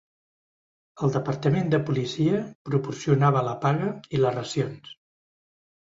El departament de policia proporcionava la paga i les racions.